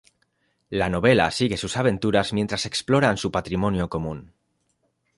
La novela sigue sus aventuras mientras exploran su patrimonio común.